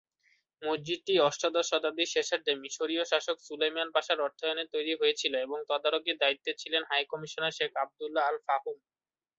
মসজিদটি অষ্টাদশ শতাব্দীর শেষার্ধে মিশরীয় শাসক সুলাইমান পাশার অর্থায়নে তৈরি হয়েছিল এবং তদারকির দায়িত্বে ছিলেন হাই কমিশনার শেখ আবদুল্লাহ আল-ফাহুম।